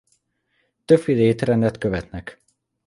Többféle étrendet követnek.